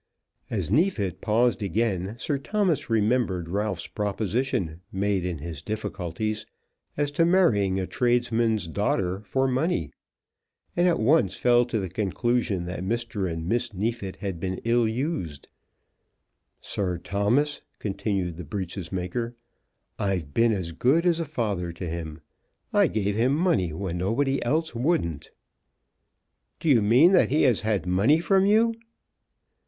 As Neefit paused again, Sir Thomas remembered Ralph's proposition, made in his difficulties, as to marrying a tradesman's daughter for money, and at once fell to the conclusion that Mr. and Miss Neefit had been ill used. "Sir Thomas," continued the breeches maker, "I've been as good as a father to him. I gave him money when nobody else wouldn't." "Do you mean that he has had money from you?"